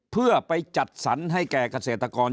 เพื่อไปจัดสรรให้แก่เกษรษฐกรจำนวน